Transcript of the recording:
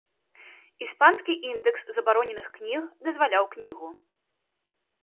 Іспанскі індэкс забароненых кніг дазваляў кнігу.